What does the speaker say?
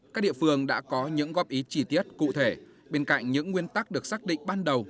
các địa phương đã có những góp ý chi tiết cụ thể bên cạnh những nguyên tắc được xác định ban đầu